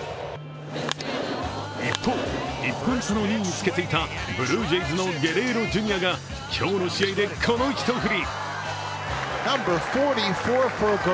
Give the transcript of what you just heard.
一方、１本差の２位につけていたブルージェイズのゲレーロジュニアが今日の試合でこの１振り。